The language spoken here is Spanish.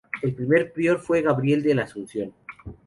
El primer prior fue Gabriel de la Asunción.